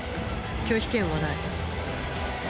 拒否権はない。